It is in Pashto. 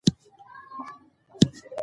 کابل به یوه ورځ ډېر ښکلی شي.